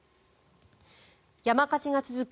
山火事が続く